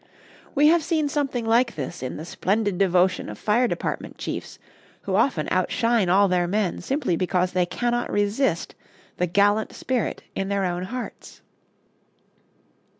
We have seen something like this in the splendid devotion of fire department chiefs, who often outshine all their men simply because they cannot resist the gallant spirit in their own hearts.